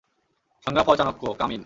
সংগ্রাম for Chanakya, come in.